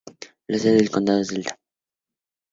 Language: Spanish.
La sede del condado es Delta.